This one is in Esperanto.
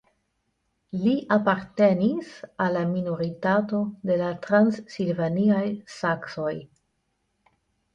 Li apartenis al la minoritato de la transilvaniaj saksoj.